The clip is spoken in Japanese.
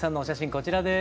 こちらです。